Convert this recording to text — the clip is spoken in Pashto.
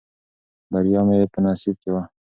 بریا مې په نصیب کې وه.